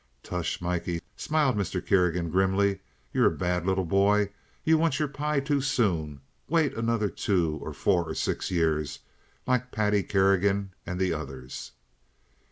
"Tush! Mikey," smiled Mr. Kerrigan, grimly. "You're a bad little boy. You want your pie too soon. Wait another two or four or six years, like Paddy Kerrigan and the others."